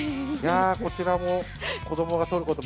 こちらも子どもが取ること